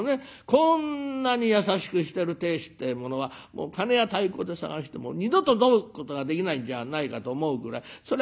こんなに優しくしてる亭主ってえものは鉦や太鼓で探しても二度と添うことができないんじゃないかと思うぐらいそら